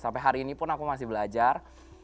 sampai hari ini pun aku masih belajar